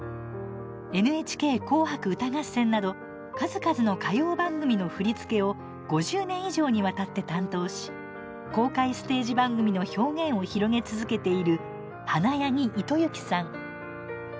「ＮＨＫ紅白歌合戦」など数々の歌謡番組の振り付けを５０年以上にわたって担当し公開ステージ番組の表現を広げ続けている花柳糸之さん。